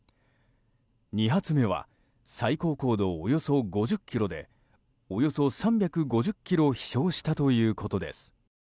２発目は最高高度およそ５０ｋｍでおよそ３５０ｋｍ飛翔したということです。